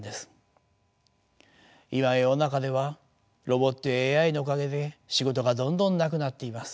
今世の中ではロボットやＡＩのおかげで仕事がどんどんなくなっています。